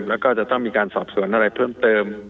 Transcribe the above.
แล้วก็จะต้องมีการสอบสวนอะไรเพิ่มเติม